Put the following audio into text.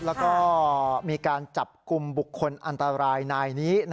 แล้วก็มีการจับกลุ่มบุคคลอันตรายนายนี้